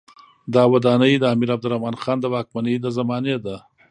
دا ودانۍ د امیر عبدالرحمن خان د واکمنۍ د زمانې ده.